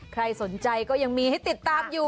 ใครสนใจก็ยังมีให้ติดตามอยู่